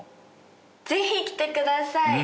ぜひ来てください